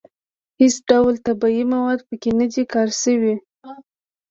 هېڅ ډول طبیعي مواد په کې نه دي کار شوي.